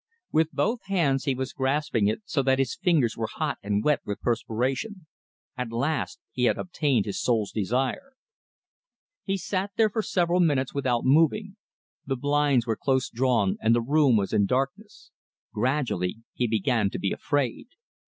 With both his hands he was grasping it so that his fingers were hot and wet with perspiration. At last he had obtained his soul's desire! He sat there for several minutes without moving. The blinds were close drawn and the room was in darkness. Gradually he began to be afraid.